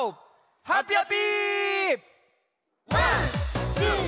「ハピハピ」。